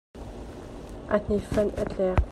A hni fem a tlek.